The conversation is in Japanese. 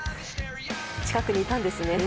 近くにいたんですね。